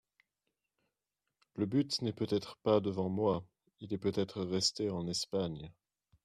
Le but n'est peut-être pas devant moi ; il est peut-être resté en Espagne.